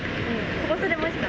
飛ばされました。